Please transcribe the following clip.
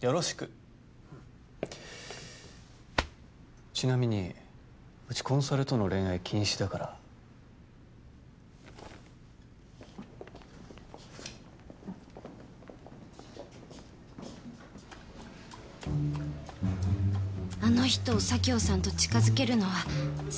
よろしくちなみにうちコンサルとの恋愛禁止だからあの人を佐京さんと近づけるのはん！